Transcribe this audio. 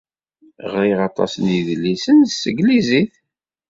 Ɣriɣ aṭas n yedlisen s tanglizit.